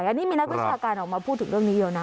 อันนี้มีนักวิชาการออกมาพูดถึงเรื่องนี้เยอะนะ